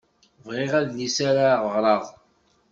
Bɣiɣ adlis ara ɣreɣ.